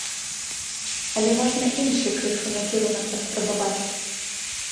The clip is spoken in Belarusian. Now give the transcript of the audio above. Але можна іншы крыху накірунак паспрабаваць.